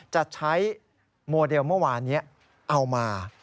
จะใช้โมเดลเมื่อวานนี้เอามา